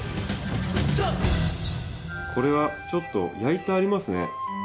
これはちょっと焼いてありますね。